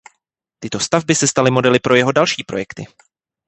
Tyto stavby se staly modely pro jeho další projekty.